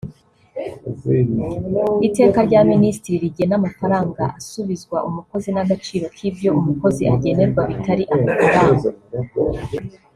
Iteka rya Minisitiri rigena amafaranga asubizwa umukozi n’agaciro k’ibyo umukozi agenerwa bitari amafaranga;